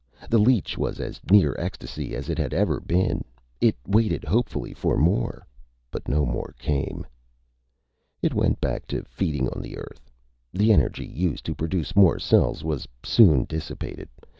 The leech was as near ecstasy as it had ever been. It waited hopefully for more, but no more came. It went back to feeding on the Earth. The energy, used to produce more cells, was soon dissipated.